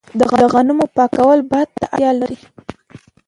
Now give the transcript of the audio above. د غنمو پاکول باد ته اړتیا لري.